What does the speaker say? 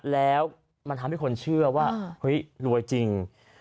แล้วมันทำให้คนเชื่อว่าเฮ้ยรวยจริง